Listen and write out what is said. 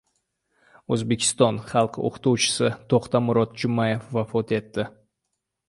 O‘zbekiston Xalq o‘qituvchisi To‘xtamurod Jumayev vafot etdi